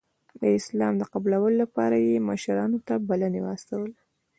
د اسلام د قبول لپاره یې مشرانو ته بلنې واستولې.